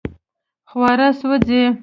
خواړه سوځي